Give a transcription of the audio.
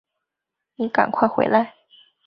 妳赶快回来